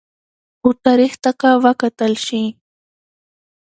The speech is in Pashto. خو تاریخ ته که وکتل شي